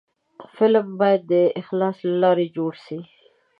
فلم باید د اخلاص له لارې جوړ شي